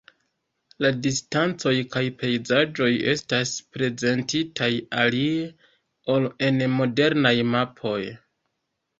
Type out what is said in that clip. La distancoj kaj pejzaĝoj estas prezentitaj alie, ol en modernaj mapoj.